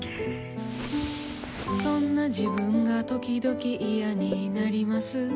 そんな自分がときどき嫌になります。